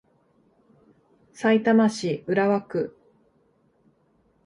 さいたま市浦和区